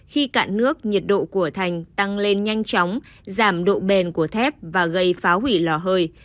khi cạn nước nhiệt độ của thành tăng lên nhanh chóng giảm độ bền của thép và gây phá hủy lò hơi